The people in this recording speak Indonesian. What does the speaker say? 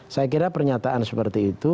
saya kira pernyataan seperti itu